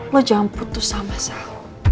lo jangan putus sama sal